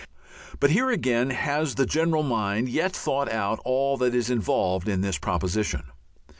But here, again, has the general mind yet thought out all that is involved in this proposition?